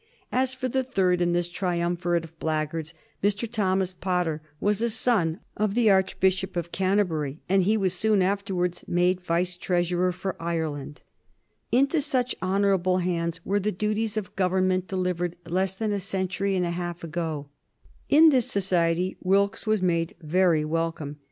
As for the third in this triumvirate of blackguards, Mr. Thomas Potter was a son of the Archbishop of Canterbury, and he was soon afterwards made Vice Treasurer for Ireland. Into such honorable hands were the duties of government delivered less than a century and a half ago. [Sidenote: 1763 Wilkes's profligacy] In this society Wilkes was made very welcome.